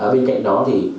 bên cạnh đó thì